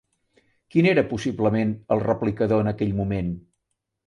Quin era possiblement el replicador en aquell moment?